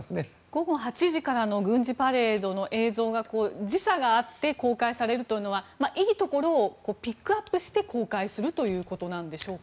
午後８時からの軍事パレードの映像が時差があって公開されるというのはいいところをピックアップして公開するということなんでしょうか。